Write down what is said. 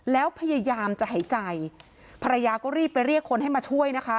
แล้วพยายามจะหายใจภรรยาก็รีบไปเรียกคนให้มาช่วยนะคะ